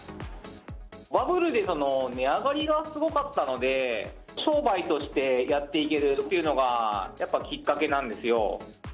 バブルで値上がりがすごかったので、商売としてやっていけるっていうのが、やっぱきっかけなんですよ。